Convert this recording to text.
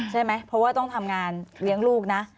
ใช่ไหมเพราะว่าต้องทำงานเลี้ยงลูกนะ